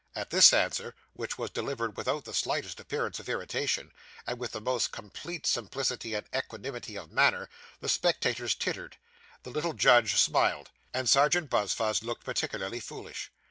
At this answer, which was delivered without the slightest appearance of irritation, and with the most complete simplicity and equanimity of manner, the spectators tittered, the little judge smiled, and Serjeant Buzfuz looked particularly foolish.